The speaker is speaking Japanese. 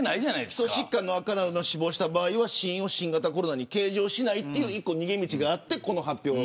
基礎疾患のある方が死亡した場合は死因を新型コロナに計上しないとそういう逃げ道がある。